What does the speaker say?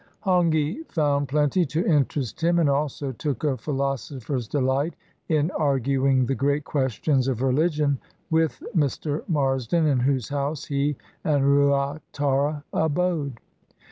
Hongi found plenty to interest him, and also took a philosopher's delight in arguing the great questions of religion with Mr. Marsden, in whose house he and Rua tara abode.